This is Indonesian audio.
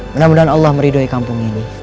mudah mudahan allah meridoi kampung ini